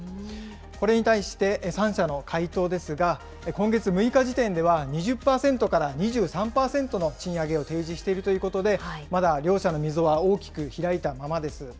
これに対して、３社の回答ですが、今月６日時点では２０％から２３％の賃上げを提示しているということで、まだ両者の溝は大きく開いたままです。